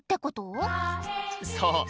そう！